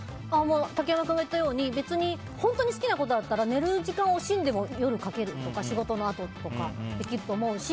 竹山君が言ったように本当に好きなことだったら寝る時間を惜しんでも夜描けるとか仕事のあととかできると思うし。